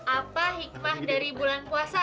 apa hikmah dari bulan puasa